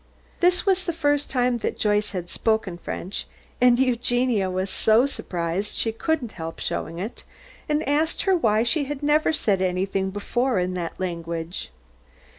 This was the first time that Joyce had spoken French, and Eugenia was so surprised she couldn't help showing it, and asked her why she had never said anything before in that language.